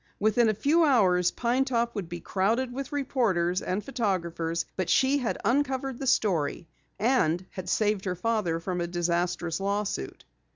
Within a few hours Pine Top would be crowded with reporters and photographers, but she had uncovered the story, and had saved her father from a disastrous lawsuit.